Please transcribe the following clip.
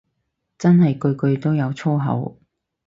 真係句句都有粗口